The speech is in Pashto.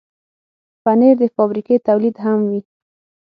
پنېر د فابریکې تولید هم وي.